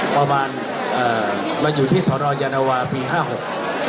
ประมาณเอ่อมาอยู่ที่สรรวจยานวาลปีห้าหกนะครับ